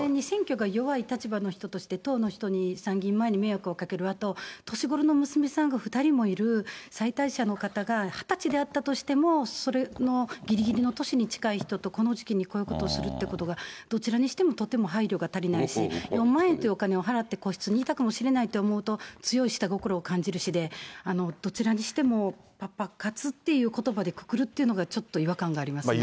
選挙の直前に選挙が弱い立場で、党の人に参議院前に迷惑をかける、あと年ごろの娘さんが２人もいる妻帯者の方が、２０歳であったとしても、ぎりぎりの年に近い人とこの時期にこういうことをするっていうことが、どちらにしてもとても配慮が足りないし、４万円というお金を払って個室にいたかもしれないと思うと、強い下心を感じるしで、どちらにしても、やっぱ、パパ活っていうことばでくくるっていうのがちょっと違和感がありますね。